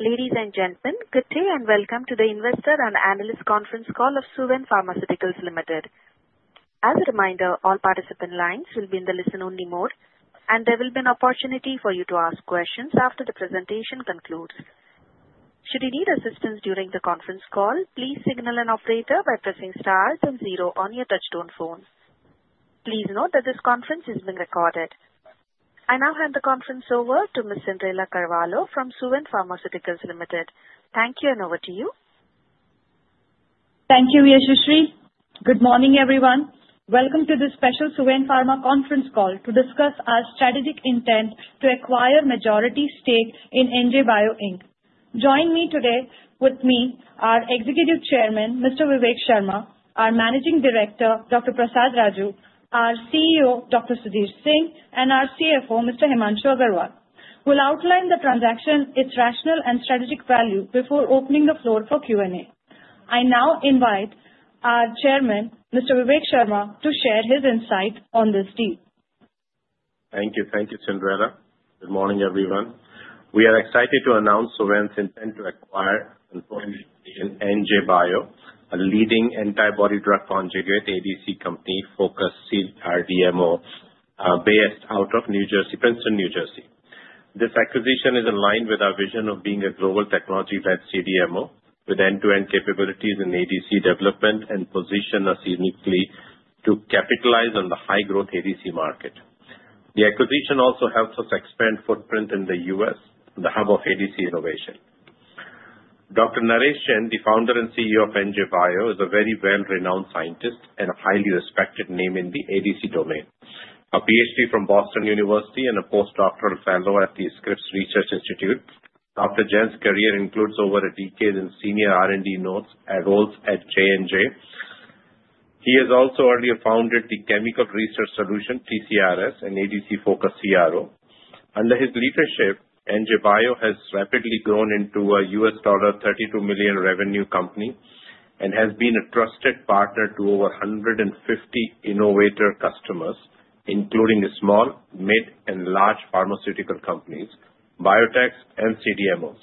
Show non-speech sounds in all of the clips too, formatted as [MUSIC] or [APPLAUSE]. Ladies and gentlemen, good day and welcome to the Investor and Analyst Conference Call of Suven Pharmaceuticals Ltd. As a reminder, all participant lines will be in the listen-only mode, and there will be an opportunity for you to ask questions after the presentation concludes. Should you need assistance during the conference call, please signal an operator by pressing stars and zero on your touch-tone phone. Please note that this conference is being recorded. I now hand the conference over to Ms. Cyndrella Carvalho from Suven Pharmaceuticals Ltd. Thank you, and over to you. Thank you, Yashashri. Good morning, everyone. Welcome to this special Suven Pharma conference call to discuss our strategic intent to acquire majority stake in NJ Bio, Inc. Joining me today are Executive Chairman, Mr. Vivek Sharma, our Managing Director, Dr. Prasada Raju, our CEO, Dr. Sudhir Kumar Singh, and our CFO, Mr. Himanshu Agarwal. We'll outline the transaction, its rationale, and strategic value before opening the floor for Q&A. I now invite our Chairman, Mr. Vivek Sharma, to share his insight on this deal. Thank you. Thank you, Cyndrella. Good morning, everyone. We are excited to announce Suven's intent to acquire and formally join NJ Bio, a leading antibody-drug conjugate ADC company focused on CDMO, based out of Princeton, New Jersey. This acquisition is in line with our vision of being a global technology-led CDMO with end-to-end capabilities in ADC development and position us uniquely to capitalize on the high-growth ADC market. The acquisition also helps us expand footprint in the U.S., the hub of ADC innovation. Dr. Naresh Jain, the founder and CEO of NJ Bio, is a very well-renowned scientist and a highly respected name in the ADC domain. A PhD from Boston University and a postdoctoral fellow at the Scripps Research Institute, Dr. Jain's career includes over a decade in senior R&D roles at J&J. He has also earlier founded The Chemical Research Solution, TCRS, an ADC-focused CRO. Under his leadership, NJ Bio has rapidly grown into a $32 million revenue company and has been a trusted partner to over 150 innovator customers, including small, mid, and large pharmaceutical companies, biotechs, and CDMOs.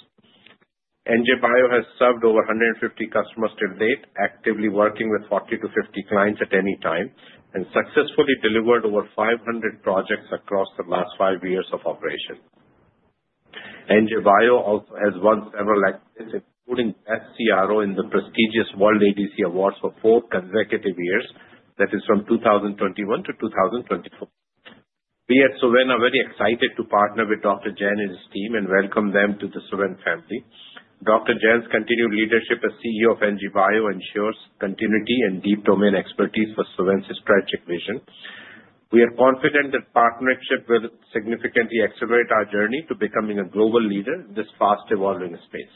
NJ Bio has served over 150 customers to date, actively working with 40-50 clients at any time, and successfully delivered over 500 projects across the last five years of operation. NJ Bio has won several accolades, including Best CRO in the prestigious World ADC Awards for four consecutive years, that is, from 2021-2024. We at Suven are very excited to partner with Dr. Naresh Jain and his team and welcome them to the Suven family. Dr. Naresh Jain's continued leadership as CEO of NJ Bio ensures continuity and deep domain expertise for Suven's strategic vision. We are confident that partnership will significantly accelerate our journey to becoming a global leader in this fast-evolving space.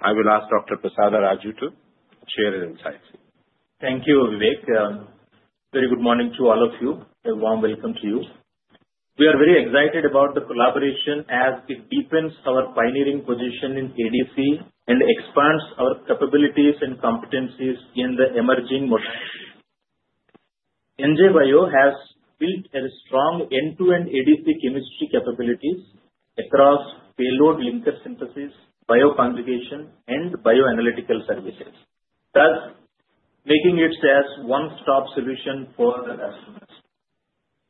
I will ask Dr. Prasada Raju to share his insights. Thank you, Vivek. Very good morning to all of you. A warm welcome to you. We are very excited about the collaboration as it deepens our pioneering position in ADC and expands our capabilities and competencies in the emerging modalities. NJ Bio has built a strong end-to-end ADC chemistry capabilities across payload linker synthesis, bioconjugation, and bioanalytical services, thus making it a one-stop solution for the customers.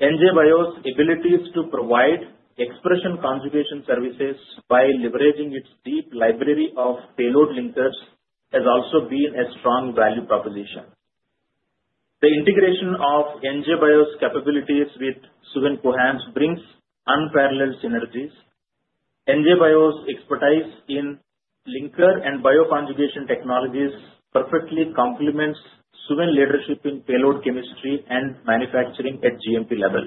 NJ Bio's abilities to provide expression conjugation services by leveraging its deep library of payload linkers has also been a strong value proposition. The integration of NJ Bio's capabilities with Cohance Lifesciences brings unparalleled synergies. NJ Bio's expertise in linker and bioconjugation technologies perfectly complements Suven's leadership in payload chemistry and manufacturing at GMP level.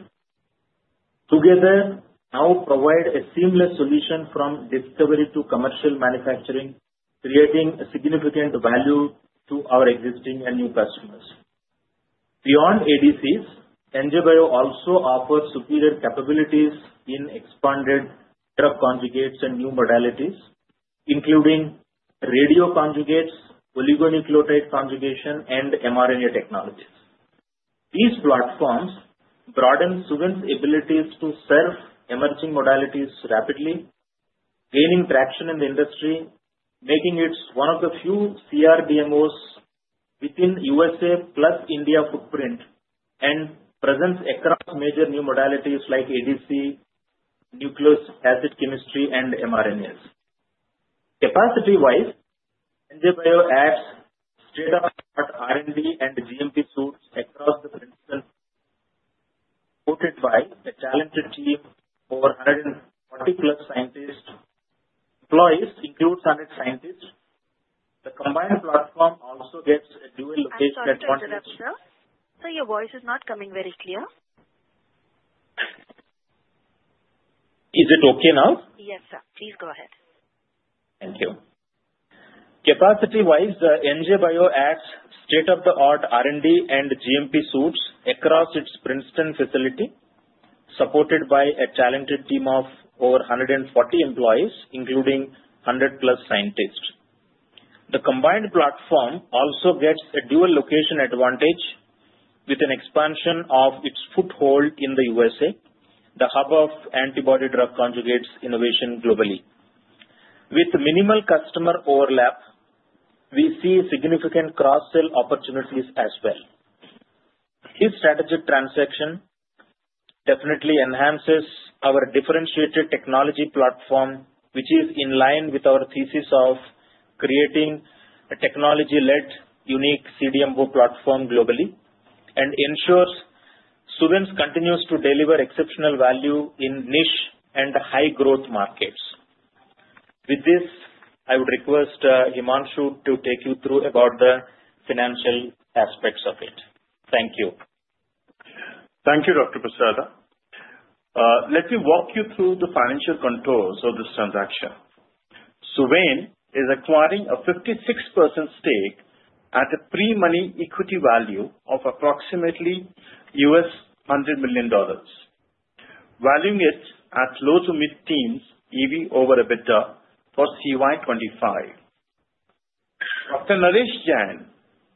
Together, we now provide a seamless solution from discovery to commercial manufacturing, creating significant value to our existing and new customers. Beyond ADCs, NJ Bio also offers superior capabilities in expanded drug conjugates and new modalities, including radioconjugates, oligonucleotide conjugation, and mRNA technologies. These platforms broaden Suven's abilities to serve emerging modalities rapidly, gaining traction in the industry, making it one of the few CRDMOs with a U.S.A. plus India footprint, and presents across major new modalities like ADC, nucleic acid chemistry, and mRNAs. Capacity-wise, NJ Bio adds state-of-the-art R&D and GMP suites across Princeton, supported by a talented team of 140-plus scientists. Employees include 100 scientists. The combined platform also gets a dual location at one location. Hello, Mr. Raju. So your voice is not coming very clear. Is it okay now? Yes, sir. Please go ahead. Thank you. Capacity-wise, NJ Bio adds state-of-the-art R&D and GMP suites across its Princeton facility, supported by a talented team of over 140 employees, including 100-plus scientists. The combined platform also gets a dual location advantage with an expansion of its foothold in the U.S.A., the hub of antibody-drug conjugates innovation globally. With minimal customer overlap, we see significant cross-sell opportunities as well. This strategic transaction definitely enhances our differentiated technology platform, which is in line with our thesis of creating a technology-led, unique CDMO platform globally and ensures Suven continues to deliver exceptional value in niche and high-growth markets. With this, I would request Himanshu to take you through about the financial aspects of it. Thank you. Thank you, Dr. Prasada. Let me walk you through the financial contours of this transaction. Suven is acquiring a 56% stake at a pre-money equity value of approximately $100 million, valuing it at low-to-mid teens EV/EBITDA for CY25. Dr. Naresh Jain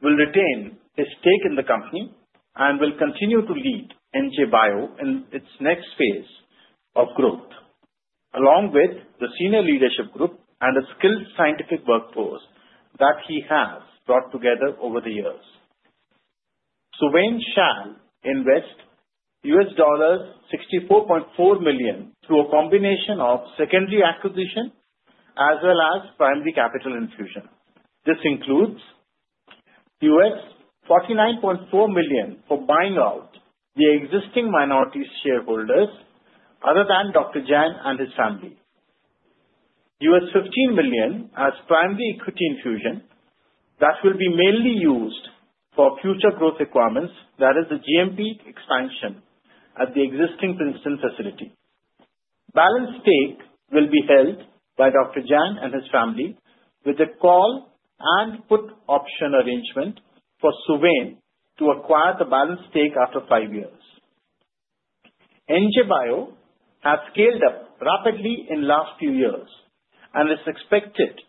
will retain his stake in the company and will continue to lead NJ Bio in its next phase of growth, along with the senior leadership group and a skilled scientific workforce that he has brought together over the years. Suven shall invest $64.4 million through a combination of secondary acquisition as well as primary capital infusion. This includes $49.4 million for buying out the existing minority shareholders other than Dr. Jain and his family. $15 million as primary equity infusion that will be mainly used for future growth requirements, that is, the GMP expansion at the existing Princeton facility. Balance stake will be held by Dr. Naresh Jain and his family with a call and put option arrangement for Suven to acquire the balance stake after five years. NJ Bio has scaled up rapidly in the last few years and is expected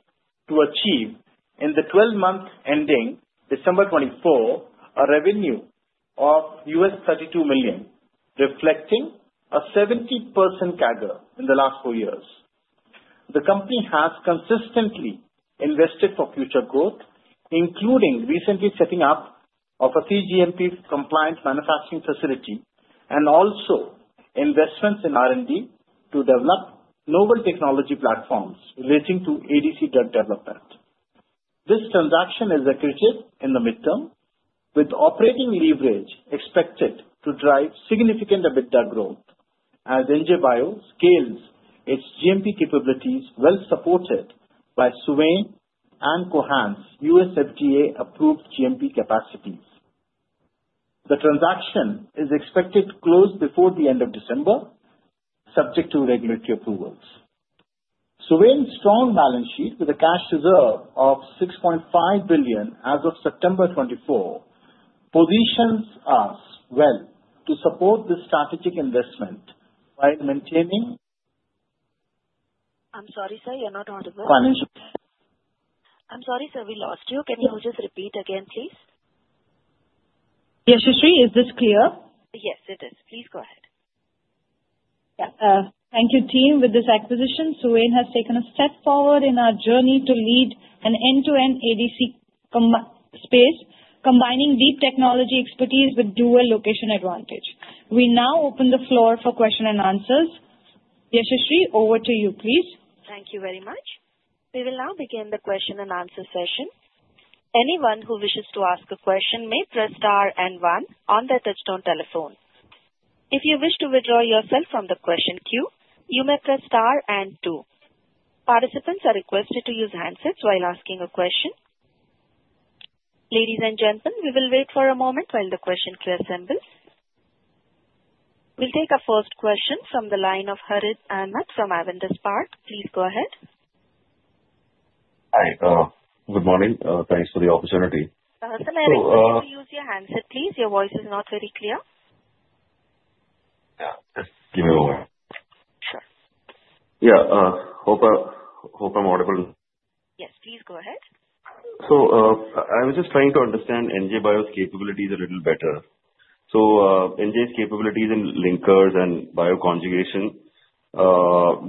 to achieve, in the 12-month ending December 2024, a revenue of $32 million, reflecting a 70% CAGR in the last four years. The company has consistently invested for future growth, including recently setting up a CGMP-compliant manufacturing facility and also investments in R&D to develop novel technology platforms relating to ADC drug development. This transaction is acquisition in the midterm, with operating leverage expected to drive significant EBITDA growth as NJ Bio scales its GMP capabilities well supported by Suven and Cohance's U.S. FDA-approved GMP capacities. The transaction is expected to close before the end of December, subject to regulatory approvals. Suven's strong balance sheet with a cash reserve of 6.5 billion as of September 2024 positions us well to support this strategic investment while maintaining. I'm sorry, sir. You're not audible. Financial. I'm sorry, sir. We lost you. Can you just repeat again, please? Yashashri, is this clear? Yes, it is. Please go ahead. Thank you, team. With this acquisition, Suven has taken a step forward in our journey to lead an end-to-end ADC space, combining deep technology expertise with dual location advantage. We now open the floor for questions and answers. Yashashri, over to you, please. Thank you very much. We will now begin the question and answer session. Anyone who wishes to ask a question may press star and one on their touch-tone telephone. If you wish to withdraw yourself from the question queue, you may press star and two. Participants are requested to use handsets while asking a question. Ladies and gentlemen, we will wait for a moment while the question queue assembles. We'll take our first question from the line of Harith Ahamed from Avendus Spark. Please go ahead. Hi. Good morning. Thanks for the opportunity. So, Harith, if you could use your handset, please. Your voice is not very clear. Yeah. Just give me a moment. Sure. Yeah. Hope I'm audible. Yes. Please go ahead. So I was just trying to understand NJ Bio's capabilities a little better. So NJ's capabilities in linkers and bioconjugation,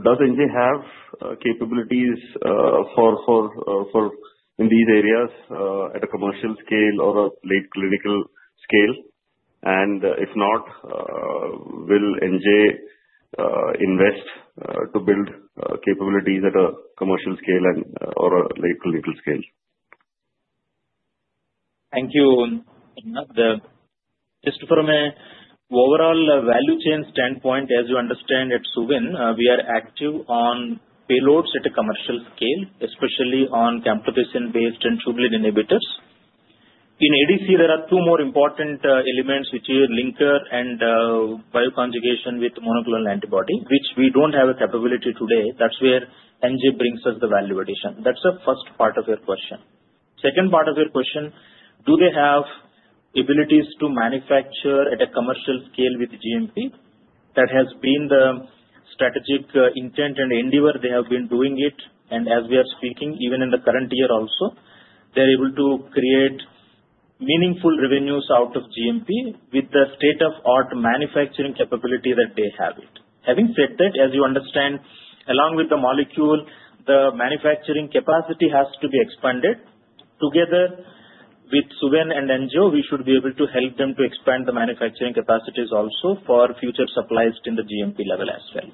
does NJ have capabilities in these areas at a commercial scale or a late clinical scale? And if not, will NJ invest to build capabilities at a commercial scale or a late clinical scale? Thank you. Just from an overall value chain standpoint, as you understand at Suven, we are active on payloads at a commercial scale, especially on camptothecin-based and tubulin inhibitors. In ADC, there are two more important elements, which are linker and bioconjugation with monoclonal antibody, which we don't have a capability today. That's where NJ brings us the value addition. That's the first part of your question. Second part of your question, do they have abilities to manufacture at a commercial scale with GMP? That has been the strategic intent and endeavor they have been doing it. And as we are speaking, even in the current year also, they're able to create meaningful revenues out of GMP with the state-of-the-art manufacturing capability that they have it. Having said that, as you understand, along with the molecule, the manufacturing capacity has to be expanded. Together with Suven and NJ Bio, we should be able to help them to expand the manufacturing capacities also for future supplies in the GMP level as well.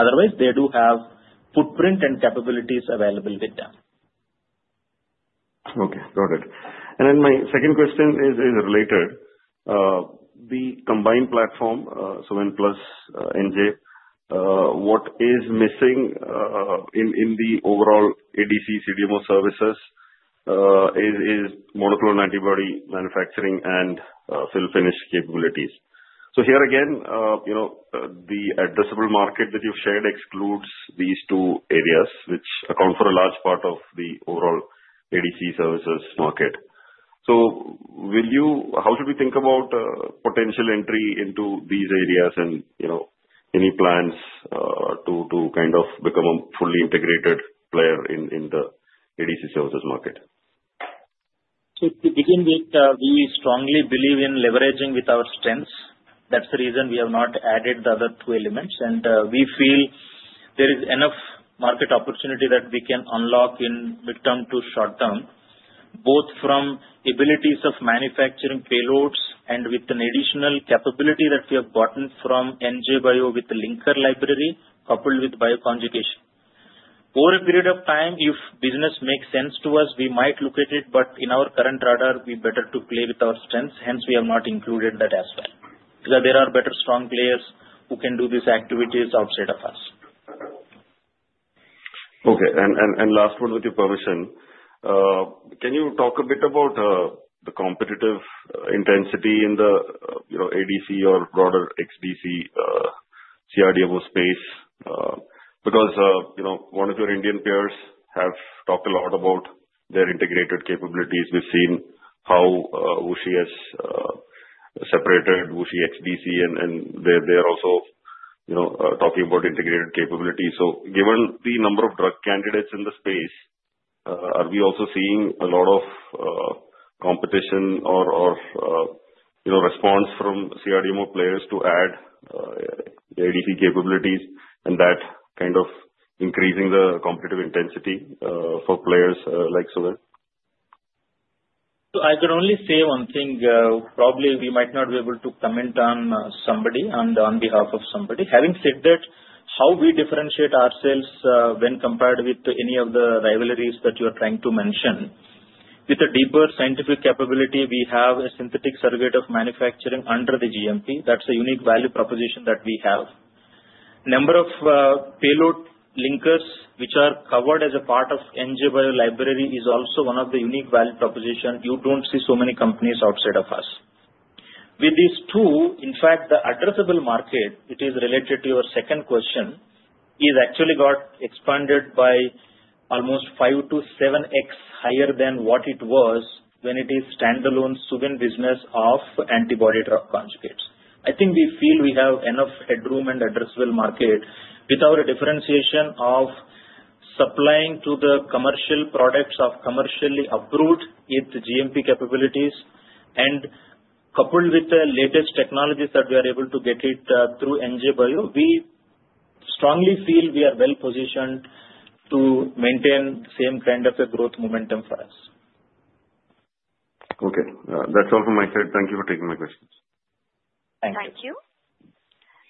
Otherwise, they do have footprint and capabilities available with them. Okay. Got it, and then my second question is related. The combined platform, Suven plus NJ, what is missing in the overall ADC CDMO services is monoclonal antibody manufacturing and fill-finish capabilities, so here again, the addressable market that you've shared excludes these two areas, which account for a large part of the overall ADC services market, so how should we think about potential entry into these areas and any plans to kind of become a fully integrated player in the ADC services market? To begin with, we strongly believe in leveraging with our strengths. That's the reason we have not added the other two elements. And we feel there is enough market opportunity that we can unlock in midterm to short term, both from abilities of manufacturing payloads and with an additional capability that we have gotten from NJ Bio with the linker library coupled with bioconjugation. Over a period of time, if business makes sense to us, we might look at it. But in our current radar, we'd better play with our strengths. Hence, we have not included that as well because there are better strong players who can do these activities outside of us. Okay. And last one, with your permission, can you talk a bit about the competitive intensity in the ADC or broader XDC CRDMO space? Because one of your Indian peers has talked a lot about their integrated capabilities. We've seen how WuXi has separated WuXi XDC, and they are also talking about integrated capabilities. So given the number of drug candidates in the space, are we also seeing a lot of competition or response from CRDMO players to add ADC capabilities and that kind of increasing the competitive intensity for players like Suven? So I could only say one thing. Probably we might not be able to comment on somebody and on behalf of somebody. Having said that, how we differentiate ourselves when compared with any of the rivalries that you are trying to mention, with a deeper scientific capability, we have a synthetic surrogate of manufacturing under the GMP. That's a unique value proposition that we have. Number of payload linkers which are covered as a part of NJ Bio library is also one of the unique value propositions. You don't see so many companies outside of us. With these two, in fact, the addressable market, which is related to your second question, is actually got expanded by almost 5-7x higher than what it was when it is standalone Suven business of antibody-drug conjugates. I think we feel we have enough headroom and addressable market without a differentiation of supplying to the commercial products of commercially approved with GMP capabilities, and coupled with the latest technologies that we are able to get it through NJ Bio, we strongly feel we are well positioned to maintain the same kind of a growth momentum for us. Okay. That's all from my side. Thank you for taking my questions. Thank you. Thank you.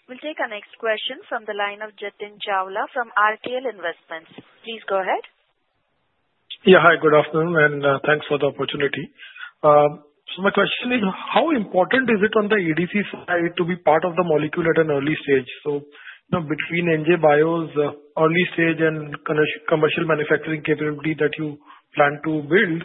We'll take our next question from the line of Jatin Chawla from RTL Investments. Please go ahead. Yeah. Hi. Good afternoon and thanks for the opportunity. So my question is, how important is it on the ADC side to be part of the molecule at an early stage? So between NJ Bio's early stage and commercial manufacturing capability that you plan to build,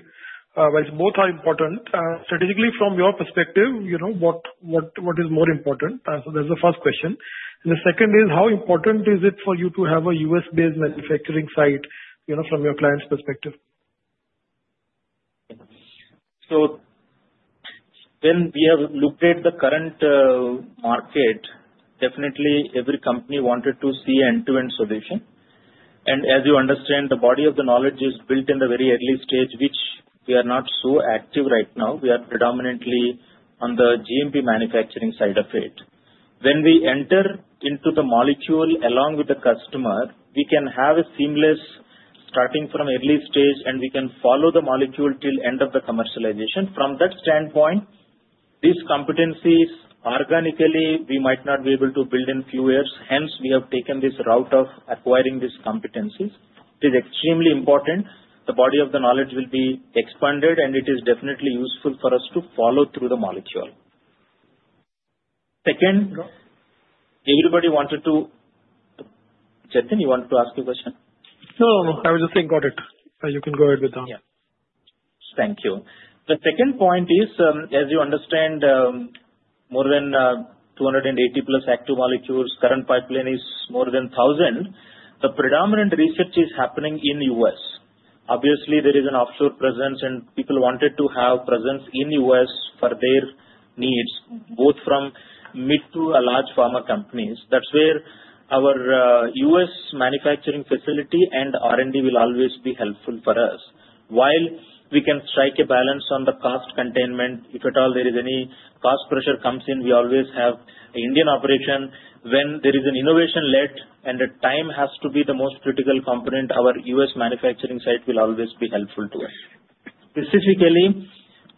both are important. Strategically, from your perspective, what is more important? So that's the first question. And the second is, how important is it for you to have a U.S.-based manufacturing site from your client's perspective? So when we have looked at the current market, definitely every company wanted to see an end-to-end solution. And as you understand, the body of the knowledge is built in the very early stage, which we are not so active right now. We are predominantly on the GMP manufacturing side of it. When we enter into the molecule along with the customer, we can have a seamless starting from early stage, and we can follow the molecule till end of the commercialization. From that standpoint, these competencies organically, we might not be able to build in a few years. Hence, we have taken this route of acquiring these competencies. It is extremely important. The body of the knowledge will be expanded, and it is definitely useful for us to follow through the molecule. Second, everybody wanted to, Jatin. You wanted to ask your question? No. I was just saying, got it. You can go ahead with that. Yeah. Thank you. The second point is, as you understand, more than 280-plus active molecules. Current pipeline is more than 1,000. The predominant research is happening in the U.S. Obviously, there is an offshore presence, and people wanted to have presence in the U.S. for their needs, both from mid- to large pharma companies. That's where our U.S. manufacturing facility and R&D will always be helpful for us. While we can strike a balance on the cost containment, if at all there is any cost pressure comes in, we always have an Indian operation. When there is an innovation-led and the time has to be the most critical component, our U.S. manufacturing site will always be helpful to us. Specifically,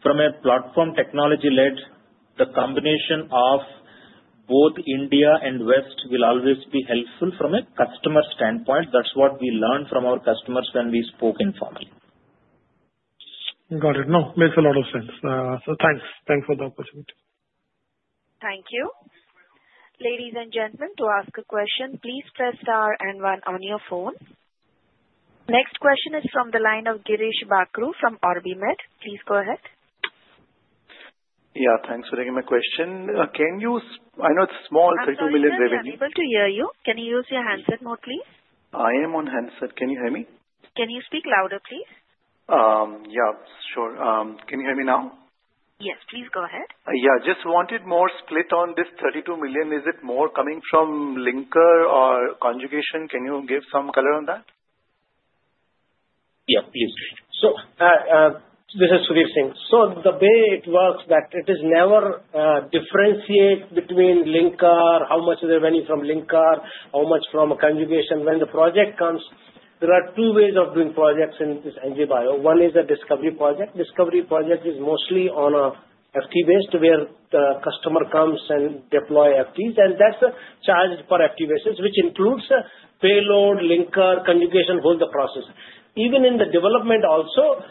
from a platform-technology-led, the combination of both India and West will always be helpful from a customer standpoint. That's what we learned from our customers when we spoke informally. Got it. No, makes a lot of sense. So thanks. Thanks for the opportunity. Thank you. Ladies and gentlemen, to ask a question, please press star and one on your phone. Next question is from the line of Girish Bakhru from OrbiMed. Please go ahead. Yeah. Thanks for taking my question. Can you? I know it's small, $32 million revenue. I'm able to hear you. Can you use your handset mode, please? I am on handset. Can you hear me? Can you speak louder, please? Yeah. Sure. Can you hear me now? Yes. Please go ahead. Yeah. Just wanted more split on this 32 million. Is it more coming from linker or conjugation? Can you give some color on that? Yeah. Please. So this is Sudhir Singh. So the way it works that it is never differentiate between linker, how much is the revenue from linker, how much from conjugation. When the project comes, there are two ways of doing projects in NJ Bio. One is a discovery project. Discovery project is mostly on an FTE-based where the customer comes and deploy FTEs. And that's charged for FTE basis, which includes payload, linker, conjugation, all the process. Even in the development also,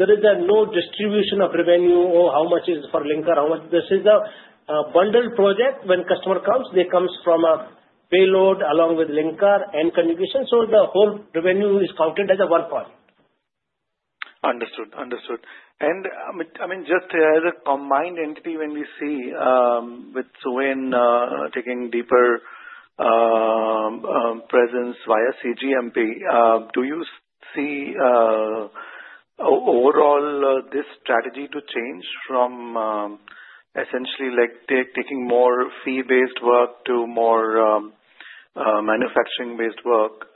there is no distribution of revenue or how much is for linker, how much. This is a bundled project. When customer comes, they come from a payload along with linker and conjugation. So the whole revenue is counted as a one project. Understood. Understood. And I mean, just as a combined entity, when we see with Suven taking deeper presence via CGMP, do you see overall this strategy to change from essentially taking more fee-based work to more manufacturing-based work?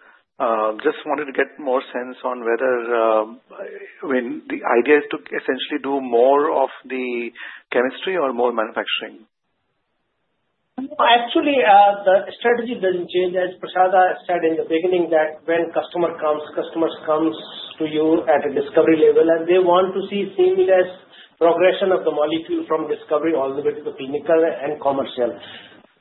Just wanted to get more sense on whether the idea is to essentially do more of the chemistry or more manufacturing. Actually, the strategy doesn't change. As Prasada said in the beginning, that when customer comes, customers come to you at a discovery level, and they want to see seamless progression of the molecule from discovery all the way to the clinical and commercial.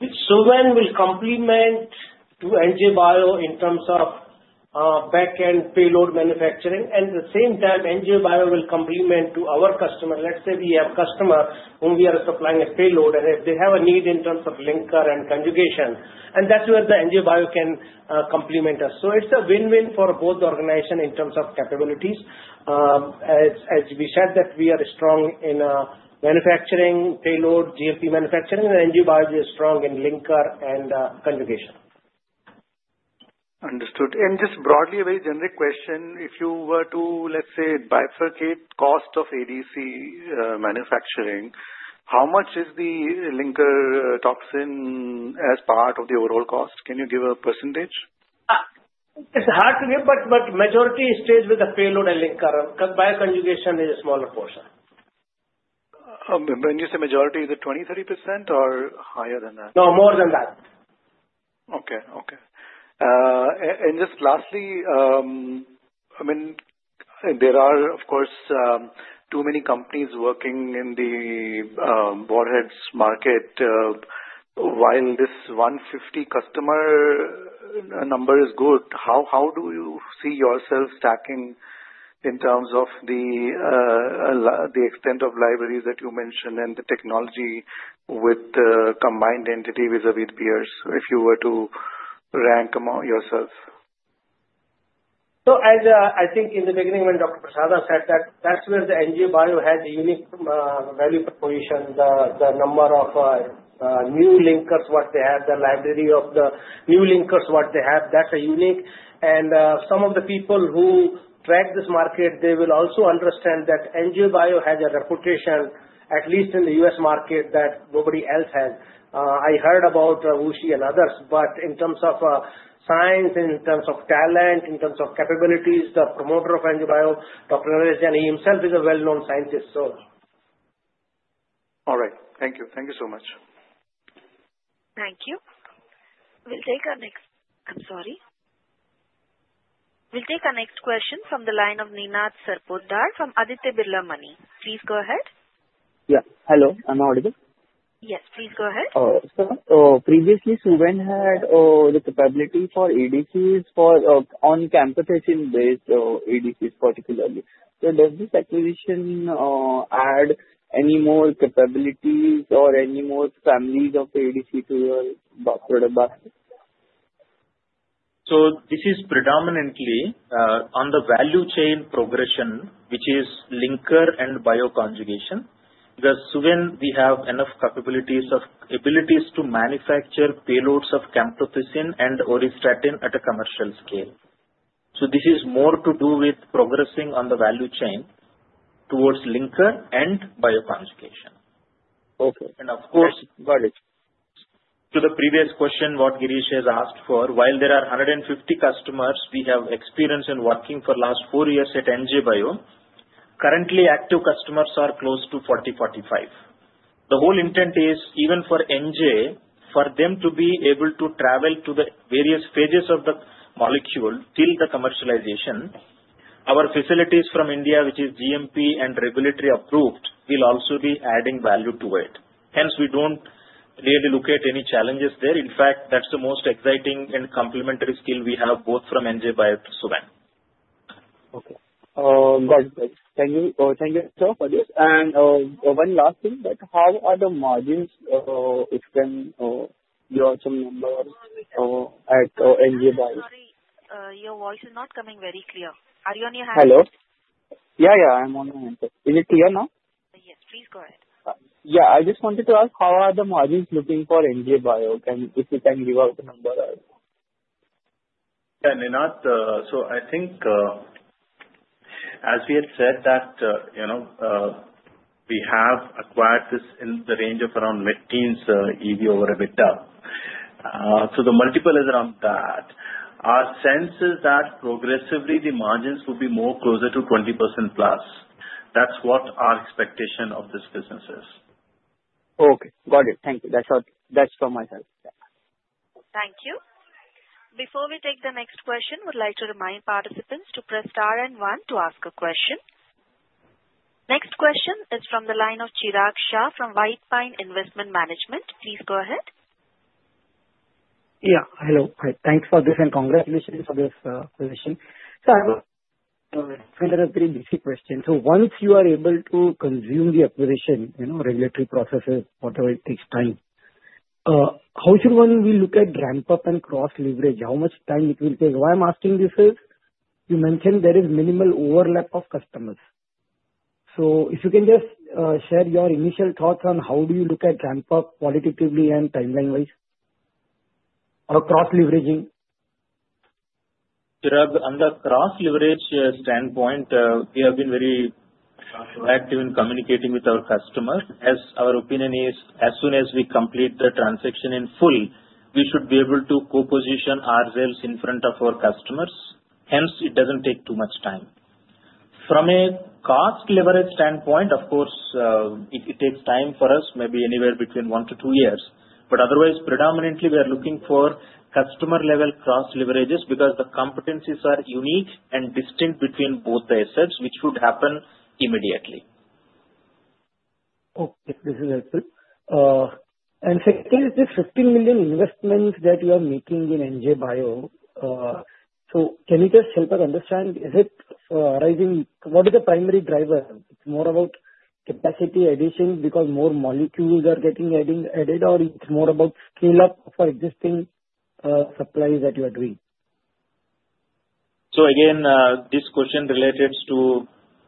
Suven will complement to NJ Bio in terms of back-end payload manufacturing. And at the same time, NJ Bio will complement to our customer. Let's say we have a customer whom we are supplying a payload, and if they have a need in terms of linker and conjugation, and that's where the NJ Bio can complement us. So it's a win-win for both organizations in terms of capabilities. As we said, that we are strong in manufacturing payload, GMP manufacturing, and NJ Bio is strong in linker and conjugation. Understood. And just broadly a very generic question. If you were to, let's say, bifurcate cost of ADC manufacturing, how much is the linker toxin as part of the overall cost? Can you give a percentage? It's hard to give, but majority stays with the payload and linker because bioconjugation is a smaller portion. When you say majority, is it 20%-30% or higher than that? No, more than that. And just lastly, I mean, there are, of course, too many companies working in the warheads market. While this 150 customer number is good, how do you see yourself stacking in terms of the extent of libraries that you mentioned and the technology with the combined entity with ADC peers if you were to rank yourself? So I think in the beginning, when Dr. Prasada said that, that's where the NJ Bio had the unique value proposition, the number of new linkers, what they have, the library of the new linkers, what they have. That's a unique. And some of the people who track this market, they will also understand that NJ Bio has a reputation, at least in the U.S. market, that nobody else has. I heard about WuXi and others, but in terms of science, in terms of talent, in terms of capabilities, the promoter of NJ Bio, Dr. Naresh Jain, he himself is a well-known scientist, so. All right. Thank you. Thank you so much. Thank you. We'll take our next. I'm sorry. We'll take our next question from the line of Ninad Sarpotdar from Aditya Birla Money. Please go ahead. Yeah. Hello. I'm audible? Yes. Please go ahead. So previously, Suven had the capability for ADCs on camptothecin-based ADCs particularly. So does this acquisition add any more capabilities or any more families of ADC to your product basket? So this is predominantly on the value chain progression, which is linker and bioconjugation, because Suven we have enough capabilities to manufacture payloads of camptothecin and auristatin at a commercial scale. So this is more to do with progressing on the value chain towards linker and bioconjugation. And of course. Got it. To the previous question, what Girish has asked for, while there are 150 customers we have experience in working for last four years at NJ Bio, currently active customers are close to 40-45. The whole intent is, even for NJ, for them to be able to travel to the various phases of the molecule till the commercialization, our facilities from India, which is GMP and regulatory approved, will also be adding value to it. Hence, we don't really look at any challenges there. In fact, that's the most exciting and complementary skill we have both from NJ Bio to Suven. Okay. Got it. Thank you. Thank you, sir, for this. And one last thing, how are the margins if you can give us some numbers at NJ Bio? Sorry, your voice is not coming very clear. Are you on your handset? Hello? Yeah, yeah. I'm on my handset. Is it clear now? Yes. Please go ahead. Yeah. I just wanted to ask, how are the margins looking for NJ Bio? If you can give us the number? Yeah. Ninad, so I think, as we had said, that we have acquired this in the range of around mid-teens, EV over EBITDA, so the multiple is around that. Our sense is that progressively, the margins will be more closer to 20% plus. That's what our expectation of this business is. Okay. Got it. Thank you. That's from my side. Thank you. Before we take the next question, we'd like to remind participants to press star and one to ask a question. Next question is from the line of Chirag Shah from White Pine Investment Management. Please go ahead. Yeah. Hello. Thanks for this and congratulations for this acquisition. So I will find out a very basic question. So once you are able to consume the acquisition, regulatory processes, whatever it takes time, how should one look at ramp-up and cross-leverage? How much time it will take? Why I'm asking this is, you mentioned there is minimal overlap of customers. So if you can just share your initial thoughts on how do you look at ramp-up qualitatively and timeline-wise or cross-leveraging? On the cross-leverage standpoint, we have been very active in communicating with our customers. As our opinion is, as soon as we complete the transaction in full, we should be able to co-position ourselves in front of our customers. Hence, it doesn't take too much time. From a cost leverage standpoint, of course, it takes time for us, maybe anywhere between one to two years. But otherwise, predominantly, we are looking for customer-level cross-leverages because the competencies are unique and distinct between both the assets, which should happen immediately. Okay. This is helpful. And second is, this $15 million investment that you are making in NJ Bio, so can you just help us understand, is it CapEx? What is the primary driver? It's more about capacity addition because more molecules are getting added, or it's more about scale-up for existing supplies that you are doing? So again, this question relates to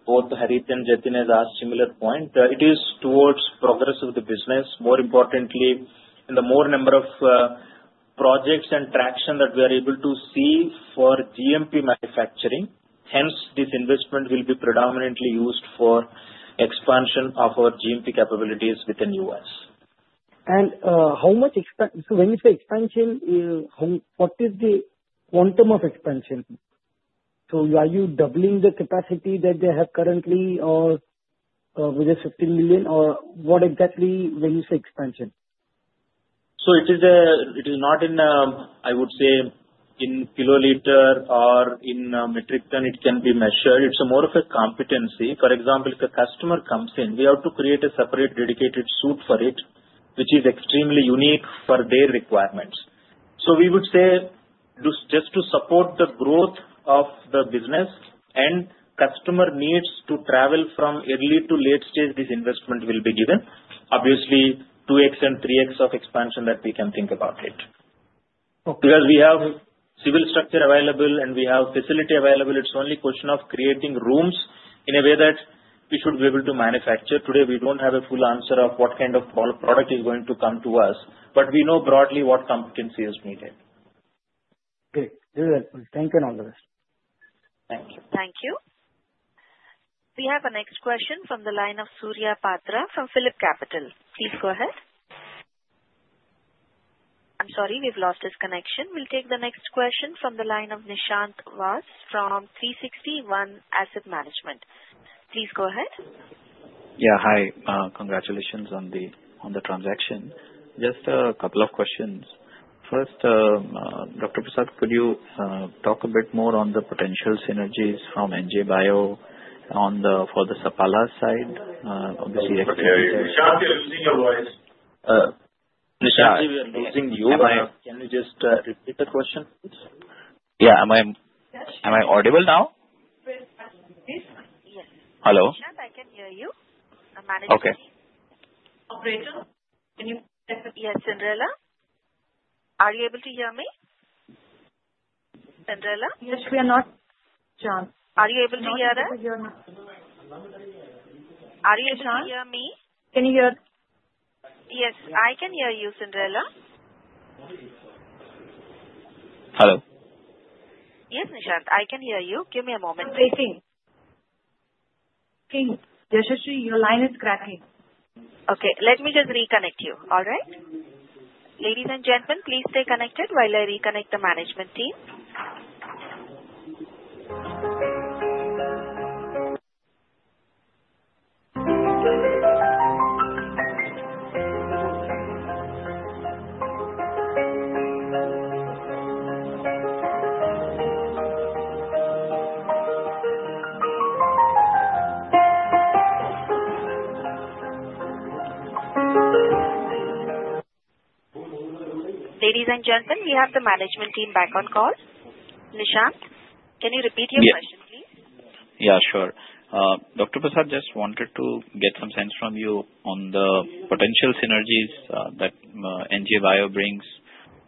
both Harith and Jatin has asked similar points. It is towards progress of the business. More importantly, in the more number of projects and traction that we are able to see for GMP manufacturing, hence this investment will be predominantly used for expansion of our GMP capabilities within the U.S. How much expansion? When you say expansion, what is the quantum of expansion? Are you doubling the capacity that they have currently with this 15 million, or what exactly when you say expansion? So it is not, I would say, in kiloliters or in metrics that it can be measured. It's more of a competency. For example, if a customer comes in, we have to create a separate dedicated suite for it, which is extremely unique for their requirements. So we would say just to support the growth of the business and customer needs to travel from early to late stage, this investment will be given. Obviously, 2x and 3x of expansion that we can think about it. Because we have civil structure available and we have facility available, it's only a question of creating rooms in a way that we should be able to manufacture. Today, we don't have a full answer of what kind of product is going to come to us, but we know broadly what competency is needed. Great. This is helpful. Thank you and all the best. Thank you. Thank you. We have a next question from the line of Surya Patra from PhillipCapital. Please go ahead. I'm sorry, we've lost his connection. We'll take the next question from the line of Nishant Vass from 360 ONE Asset Management. Please go ahead. Yeah. Hi. Congratulations on the transaction. Just a couple of questions. First, Dr. Prasada, could you talk a bit more on the potential synergies from NJ Bio for the Sapala side? Obviously, actually. Nishant, you're losing your voice. Nishant, we are losing you. Can you just repeat the question, please? Yeah. Am I audible now? Yes. Hello? Nishant, I can hear you. I'm managing the. Okay. Operator. Can you check with? Yeah. Cyndrella. Are you able to hear me? Cyndrella? Yes, we are not. [AUDIO DISTORTION] Are you able to hear us? Are you, [AUDIO DISTORTION] Can you hear us? Yes, I can hear you, Cyndrella. Hello. Yes, Nishant. I can hear you. Give me a moment. I'm waiting. Yes, Yashashri. Your line is cracking. Okay. Let me just reconnect you. All right? Ladies and gentlemen, please stay connected while I reconnect the management team. Ladies and gentlemen, we have the management team back on call. Nishant, can you repeat your question, please? Yeah, sure. Dr. Prasada just wanted to get some sense from you on the potential synergies that NJ Bio brings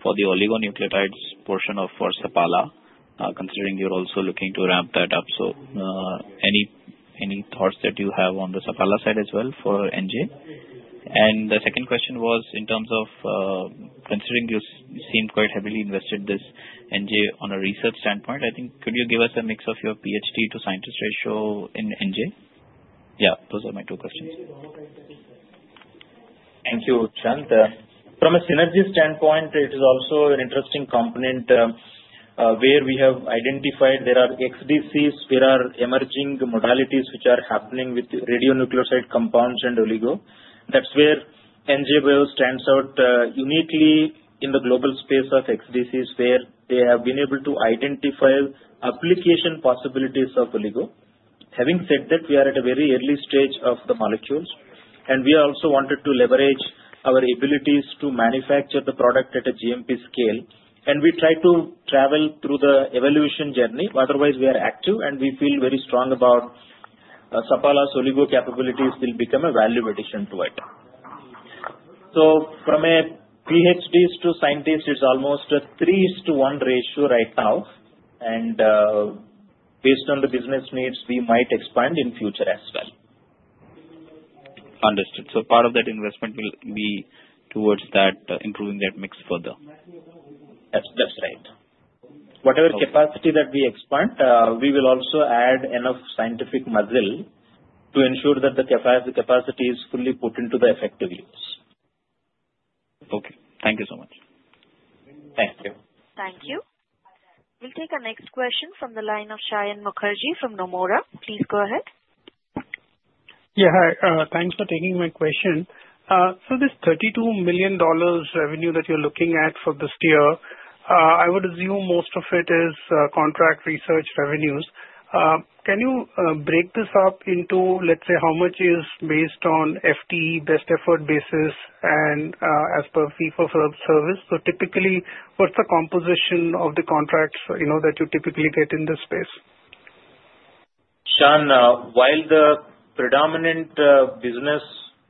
for the oligonucleotides portion of Sapala, considering you're also looking to ramp that up. So any thoughts that you have on the Sapala side as well for NJ? And the second question was, in terms of considering you seem quite heavily invested in this NJ on a research standpoint, I think, could you give us a mix of your PhD to scientist ratio in NJ? Yeah. Those are my two questions. Thank you, Nishant. From a synergy standpoint, it is also an interesting component where we have identified there are XDCs where emerging modalities which are happening with radionuclide compounds and oligo. That's where NJ Bio stands out uniquely in the global space of XDCs where they have been able to identify application possibilities of oligo. Having said that, we are at a very early stage of the molecules, and we also wanted to leverage our abilities to manufacture the product at a GMP scale. And we try to travel through the evolution journey. Otherwise, we are active, and we feel very strong about Sapala's oligo capabilities will become a value addition to it. So from a PhDs to scientists, it's almost a 3:1 ratio right now. And based on the business needs, we might expand in future as well. Understood, so part of that investment will be toward that, improving that mix further. That's right. Whatever capacity that we expand, we will also add enough scientific muscle to ensure that the capacity is fully put into the effective use. Okay. Thank you so much. Thank you. Thank you. We'll take our next question from the line of Saion Mukherjee from Nomura. Please go ahead. Yeah. Hi. Thanks for taking my question. So this $32 million revenue that you're looking at for this year, I would assume most of it is contract research revenues. Can you break this up into, let's say, how much is based on FTE, best effort basis, and as per fee for service? So typically, what's the composition of the contracts that you typically get in this space? Shan, while the predominant business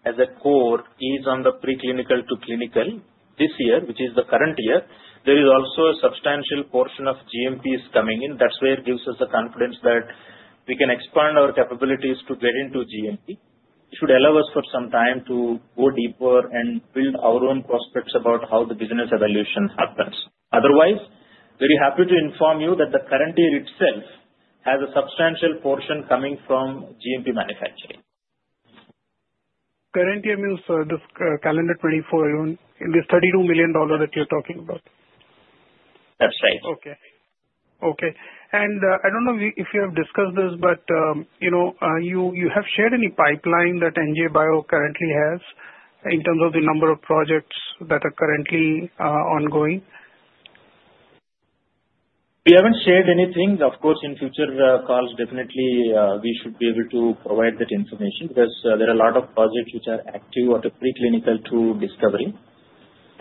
as a core is on the preclinical to clinical this year, which is the current year, there is also a substantial portion of GMPs coming in. That's where it gives us the confidence that we can expand our capabilities to get into GMP. It should allow us for some time to go deeper and build our own prospects about how the business evolution happens. Otherwise, very happy to inform you that the current year itself has a substantial portion coming from GMP manufacturing. Current year means this calendar 2024, this $32 million that you're talking about? That's right. I don't know if you have discussed this, but you have shared any pipeline that NJ Bio currently has in terms of the number of projects that are currently ongoing? We haven't shared anything. Of course, in future calls, definitely, we should be able to provide that information because there are a lot of projects which are active at a preclinical to discovery.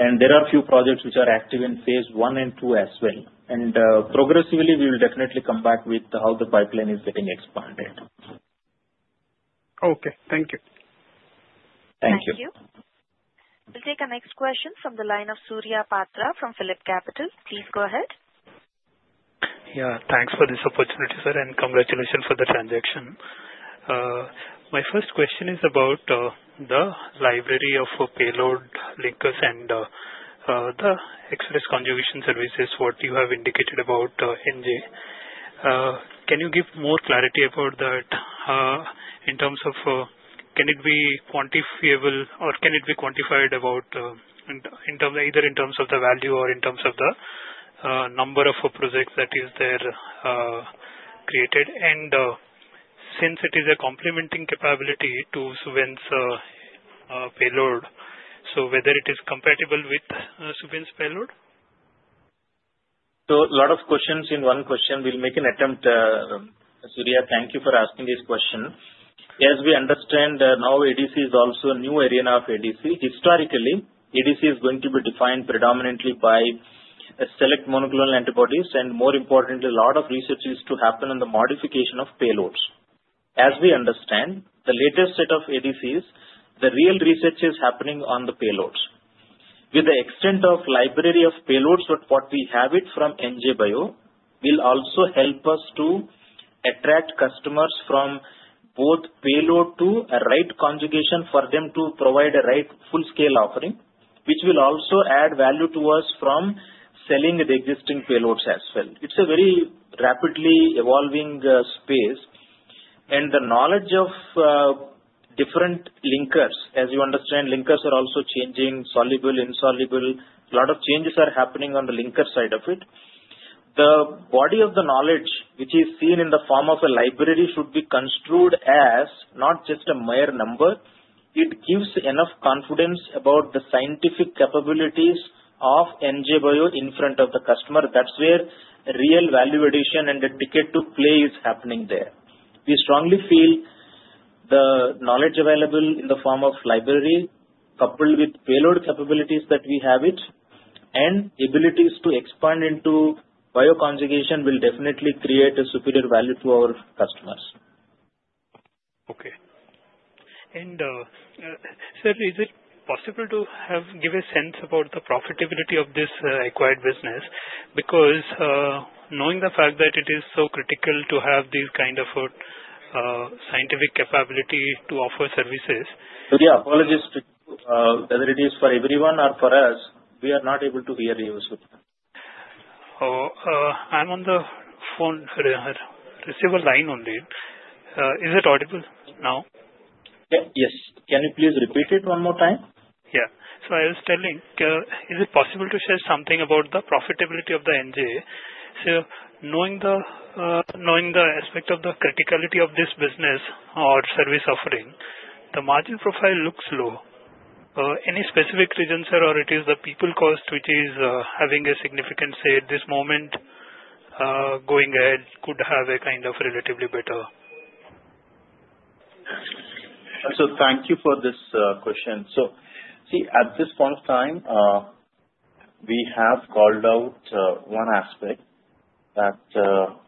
And there are a few projects which are active in phase one and two as well. And progressively, we will definitely come back with how the pipeline is getting expanded. Okay. Thank you. Thank you. Thank you. We'll take our next question from the line of Surya Patra from PhillipCapital. Please go ahead. Yeah. Thanks for this opportunity, sir, and congratulations for the transaction. My first question is about the library of payload linkers and the express conjugation services, what you have indicated about NJ. Can you give more clarity about that in terms of can it be quantifiable or can it be quantified either in terms of the value or in terms of the number of projects that is there created? And since it is a complementing capability to Suven's payload, so whether it is compatible with Suven's payload? So, a lot of questions in one question. We'll make an attempt. Surya, thank you for asking this question. As we understand, now ADC is also a new arena of ADC. Historically, ADC is going to be defined predominantly by select monoclonal antibodies, and more importantly, a lot of research needs to happen on the modification of payloads. As we understand, the latest set of ADCs, the real research is happening on the payloads. With the extent of library of payloads, what we have from NJ Bio will also help us to attract customers from both payload to a right conjugation for them to provide a right full-scale offering, which will also add value to us from selling the existing payloads as well. It's a very rapidly evolving space, and the knowledge of different linkers, as you understand, linkers are also changing, soluble, insoluble. A lot of changes are happening on the linker side of it. The body of the knowledge, which is seen in the form of a library, should be construed as not just a mere number. It gives enough confidence about the scientific capabilities of NJ Bio in front of the customer. That's where real value addition and differentiated play is happening there. We strongly feel the knowledge available in the form of library, coupled with payload capabilities that we have and abilities to expand into bioconjugation, will definitely create a superior value to our customers. Okay. Sir, is it possible to give a sense about the profitability of this acquired business? Because knowing the fact that it is so critical to have this kind of scientific capability to offer services. Surya, apologies to you. Whether it is for everyone or for us, we are not able to hear you. Oh, I'm on the phone. This is a listen-only line. Is it audible now? Yes. Can you please repeat it one more time? Yeah. So I was telling, is it possible to share something about the profitability of the NJ? So knowing the aspect of the criticality of this business or service offering, the margin profile looks low. Any specific reason, sir, or it is the people cost which is having a significant say at this moment, going ahead could have a kind of relatively better? Thank you for this question. See, at this point of time, we have called out one aspect that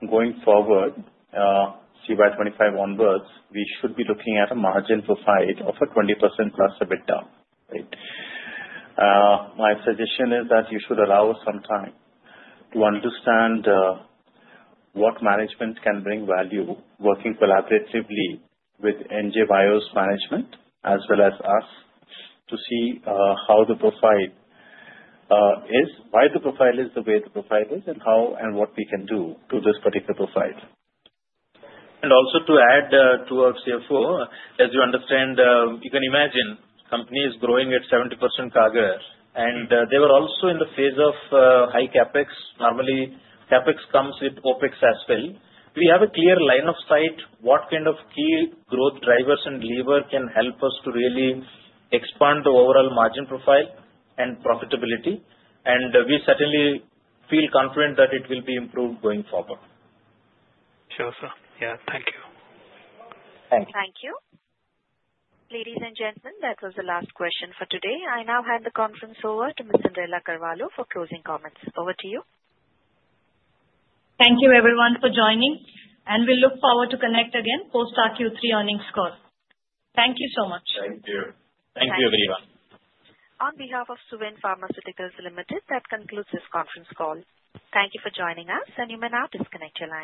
going forward, CY25 onwards, we should be looking at a margin profile of 20% plus a bit down, right? My suggestion is that you should allow us some time to understand what management can bring value, working collaboratively with NJ Bio's management as well as us to see how the profile is, why the profile is the way the profile is, and what we can do to this particular profile. And also to add to our CFO, as you understand, you can imagine company is growing at 70% CAGR, and they were also in the phase of high CapEx. Normally, CapEx comes with OpEx as well. We have a clear line of sight what kind of key growth drivers and lever can help us to really expand the overall margin profile and profitability, and we certainly feel confident that it will be improved going forward. Sure, sir. Yeah. Thank you. Thank you. Thank you. Ladies and gentlemen, that was the last question for today. I now hand the conference over to Ms. Cyndrella Carvalho for closing comments. Over to you. Thank you, everyone, for joining, and we'll look forward to connect again post Q3 earnings call. Thank you so much. Thank you. Thank you, everyone. On behalf of Suven Pharmaceuticals Ltd, that concludes this conference call. Thank you for joining us, and you may now disconnect your line.